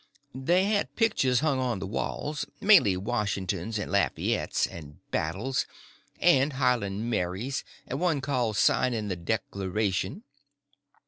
They had pictures hung on the walls—mainly Washingtons and Lafayettes, and battles, and Highland Marys, and one called "Signing the Declaration."